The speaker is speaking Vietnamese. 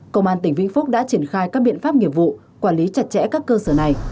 công an tỉnh vĩnh phúc đã triển khai các biện pháp nghiệp vụ quản lý chặt chẽ các cơ sở này